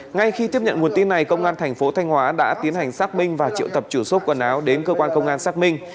ngay khi tiếp nhận nguồn tin này công an thành phố thanh hóa đã tiến hành xác minh và triệu tập chủ số quần áo đến cơ quan công an xác minh